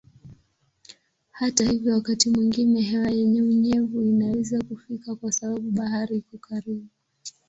Hata hivyo wakati mwingine hewa yenye unyevu inaweza kufika kwa sababu bahari iko karibu.